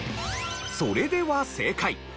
それでは正解。